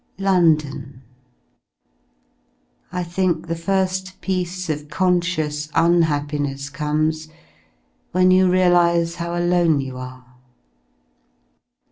London ! I think the fir^ piece of conscious un happiness comes when you realise how alone you are.